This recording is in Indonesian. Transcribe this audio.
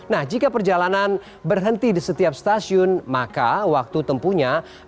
nah jika perjalanan berhenti di setiap stasiun maka waktu tempuhnya empat puluh enam menit saja